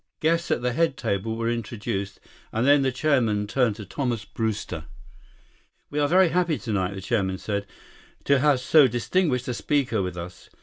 Guests at the head table were introduced, then the chairman turned to Thomas Brewster. "We are very happy tonight," the chairman said, "to have so distinguished a speaker with us.